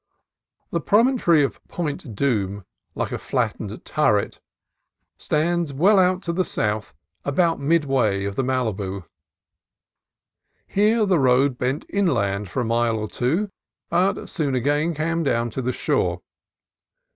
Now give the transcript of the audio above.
The promontory of Point Dume, like a flattened turret, stands well out to the south about midway of the Malibu. Here the road bent inland for a mile or two, but soon again came down to the shore.